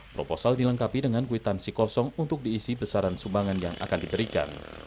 proposal dilengkapi dengan kwitansi kosong untuk diisi besaran sumbangan yang akan diberikan